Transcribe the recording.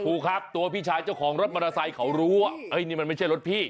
ครับตัวพี่ชายเจ้าของรถมอเตอร์ไซค์เขารู้ว่านี่มันไม่ใช่รถพี่